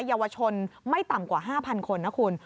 เยาวชนไม่ต่ำกว่า๕๐๐คนนะคุณ